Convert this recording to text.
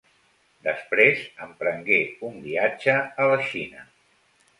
Després emprengué un viatge a la Xina.